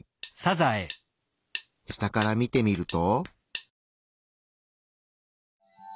下から見てみると。